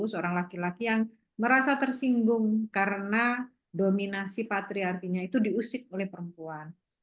seorang laki laki yang merasa tersinggung karena dominasi patriarkinya itu diusik oleh perempuan